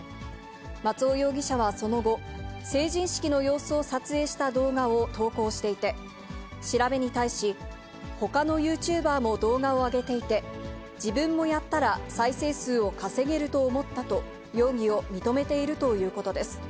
松尾容疑者はその後、成人式の様子を撮影した動画を投稿していて、調べに対し、ほかのユーチューバーも動画を上げていて、自分もやったら再生数を稼げると思ったと、容疑を認めているということです。